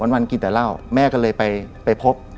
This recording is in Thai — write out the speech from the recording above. วันกินแต่เหล้าแม่ก็เลยไปพบ